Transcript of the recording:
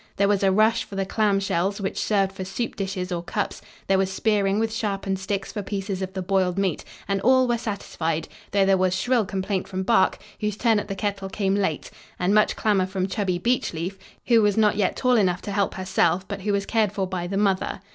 There was a rush for the clam shells which served for soup dishes or cups, there was spearing with sharpened sticks for pieces of the boiled meat, and all were satisfied, though there was shrill complaint from Bark, whose turn at the kettle came late, and much clamor from chubby Beech Leaf, who was not yet tall enough to help herself, but who was cared for by the mother.